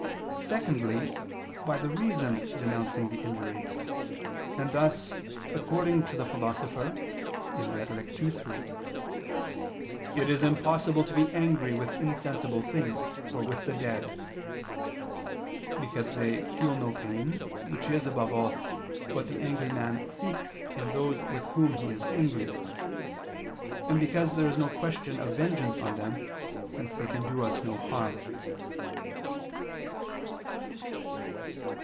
Secondly, by the reason denouncing the injury: and thus, according to the Philosopher (Rhet. ii, 3), "it is impossible to be angry with insensible things, or with the dead": both because they feel no pain, which is, above all, what the angry man seeks in those with whom he is angry: and because there is no question of vengeance on them, since they can do us no harm.